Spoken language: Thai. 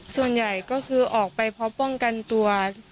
ส่วนใหญ่ก็คือออกไปเพราะป้องกันตัว